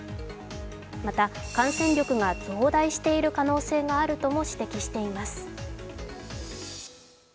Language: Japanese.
また、感染力が増大している可能性があるとも指摘しています。